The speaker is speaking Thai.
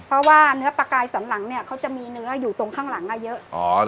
เพราะว่าเนื้อปลากายสันหลังเนี่ยเขาจะมีเนื้ออยู่ตรงข้างหลังเยอะ